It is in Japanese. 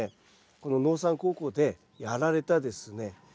この農産高校でやられたですね